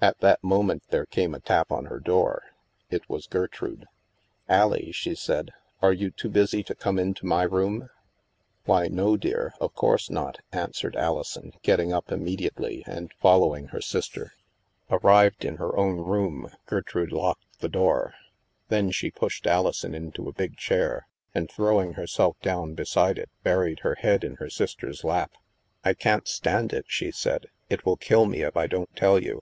At that moment there came a tap on her door. It was Gertrude. " AUie," she said, " are you too busy to come into my room ?"" Why, no, dear. Of course not," answered Ali son, getting up immediately and following her sis ter. 88 THE MASK Arrived in her own room, Gertrude locked the door; then she pushed Alison into a big chair, and throwing herself down beside it, buried her head in her sister's lap. " I can't stand it,*' she said. " It will kill me if I don't tell you.